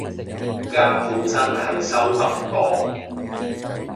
間舖真係收得檔